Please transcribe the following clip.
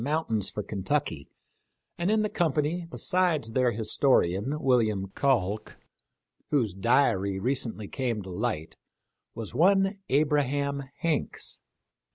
mountains for Kentucky, and in the company, besides their historian, William Calk, — whose diary recently came to light, — was one Abraham Hanks.